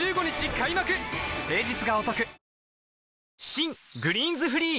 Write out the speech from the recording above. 新「グリーンズフリー」